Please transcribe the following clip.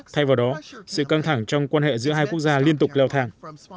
thay vào đó sự căng thẳng trong quan hệ giữa hai quốc gia liên tục leo thang